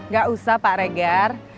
gak usah pak regar